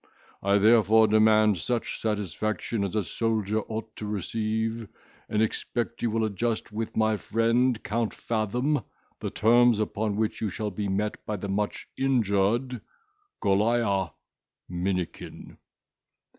I therefore demand such satisfaction as a soldier ought to receive, and expect you will adjust with my friend Count Fathom the terms upon which you shall be met by the much injured GOLIAH MINIKIN."